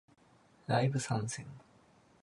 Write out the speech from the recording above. ライブ参戦